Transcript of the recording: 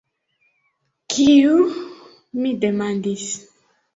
Kiu?“ mi demandis.